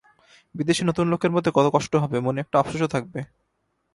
বিদেশে নতুন লোকের মধ্যে কত কষ্ট হবে, মনে একটা আপসোসও থাকবে।